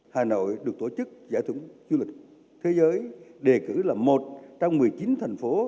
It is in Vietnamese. hà nội được tổ chức giải thưởng du lịch thế giới đề cử là một trong một mươi chín thành phố